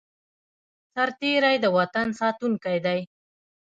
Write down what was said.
سرتیری د وطن ساتونکی دی